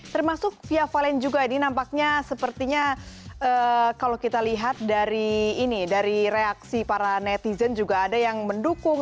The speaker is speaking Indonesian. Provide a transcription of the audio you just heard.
termasuk via valen juga ini nampaknya sepertinya kalau kita lihat dari ini dari reaksi para netizen juga ada yang mendukung